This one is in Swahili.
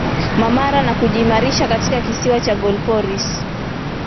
Marmara na kujiimarisha katika kisiwa cha Galliopolis